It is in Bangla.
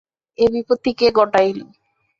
এ বিপত্তি কে ঘটাইল।